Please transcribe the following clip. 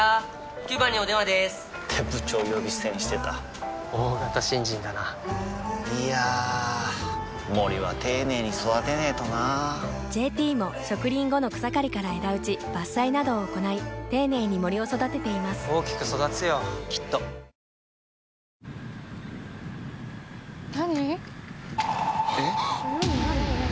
９番にお電話でーす！って部長呼び捨てにしてた大型新人だないやー森は丁寧に育てないとな「ＪＴ」も植林後の草刈りから枝打ち伐採などを行い丁寧に森を育てています大きく育つよきっとあっ！